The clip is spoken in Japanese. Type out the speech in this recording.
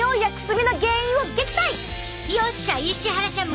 よっしゃ石原ちゃん